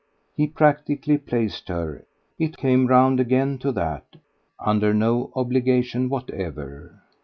He practically placed her it came round again to that under no obligation whatever.